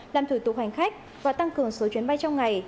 làm thủ tục hành khách và tăng cường số chuyến bay trong ngày